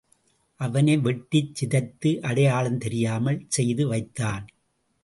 அவனை வெட்டிச் சிதைத்து அடையாளம் தெரியாமல் செய்து வைத்தான்.